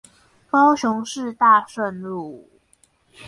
高雄市大順路